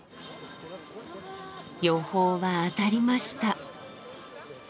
予報は当たりました。